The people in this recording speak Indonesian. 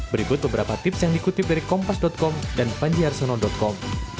berikut beberapa tips yang dikutip dari kompas com dan panjiarsono com